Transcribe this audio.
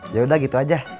yaudah gitu aja